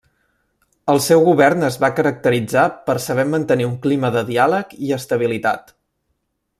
El seu govern es va caracteritzar per saber mantenir un clima de diàleg i estabilitat.